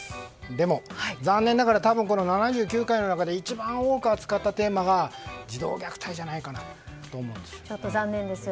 でも、残念ながら多分７９回の中で一番多く扱ったテーマが児童虐待じゃないかと思うんです。